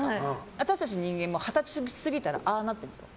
私たち人間も二十歳すぎたらああなってるんですよ。